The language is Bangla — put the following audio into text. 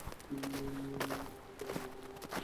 আমাকে জ্ঞান দেওয়া বন্ধ কর, মেয়ে।